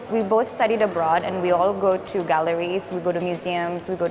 kita belajar di luar negara kita pergi ke galeri ke museum ke segala hal